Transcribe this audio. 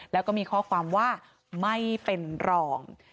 แล้วก็มีข้อความว่าไม่เป็นรอง